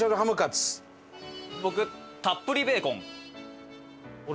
僕たっぷりベーコン。